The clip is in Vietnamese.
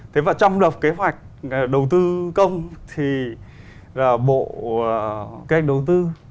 thế và trong lập kế hoạch đầu tư công thì bộ kế hoạch đầu tư